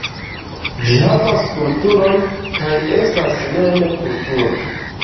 Ĝi havas kulturon kaj estas mem kulturo.